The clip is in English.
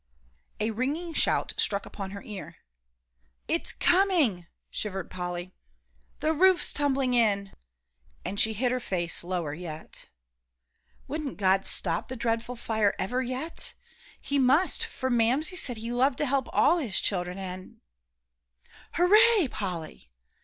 A ringing shout struck upon her ear. "It's coming!" shivered Polly; "the roof's tumbling in!" and she hid her face lower yet. Wouldn't God stop the dreadful fire ever yet. He must, for Mamsie said He loved to help all His children. And "Hooray, Polly!"